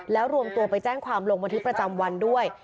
แล้วรวมตัวไปแจ้งความลงบันทึกประจำวันด้วย